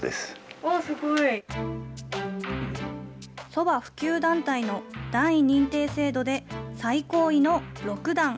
そば普及団体の段位認定制度で最高位の六段。